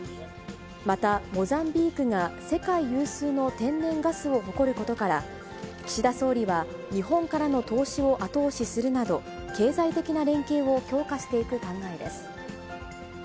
また、モザンビークが世界有数の天然ガスを誇ることから、岸田総理は、日本からの投資を後押しするなど、経済的な連携を強化していく考えです。